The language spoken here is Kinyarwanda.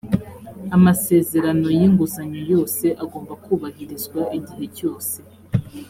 amasezerano y’inguzanyo yose agomba kubahirizwa igihe cyose